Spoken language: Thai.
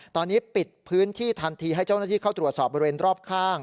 ตอนนี้ปิดพื้นที่ทันทีให้เจ้าหน้าที่เข้าตรวจสอบบริเวณรอบข้าง